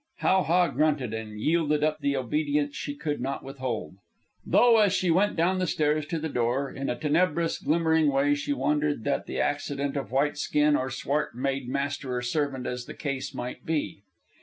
How ha grunted, and yielded up the obedience she could not withhold; though, as she went down the stairs to the door, in a tenebrous, glimmering way she wondered that the accident of white skin or swart made master or servant as the case might be.